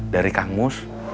dari kang mus